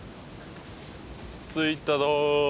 着いたぞ。